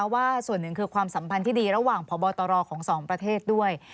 ว่าส่วนหนึ่งคือความสัมพันธ์ที่ดีระหว่างพบตรของสองประเทศด้วย